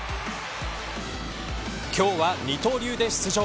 今日は二刀流で出場。